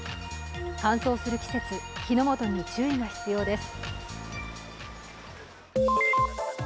乾燥する季節、火の元に注意が必要です。